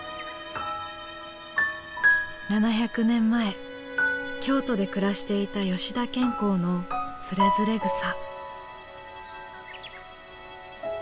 ７００年前京都で暮らしていた吉田兼好の「徒然草」。